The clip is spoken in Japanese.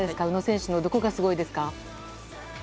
宇野選手のどこがすごいですか？